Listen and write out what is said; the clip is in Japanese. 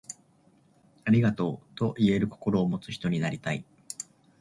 ありがとう、と言える心を持つ人になりたい。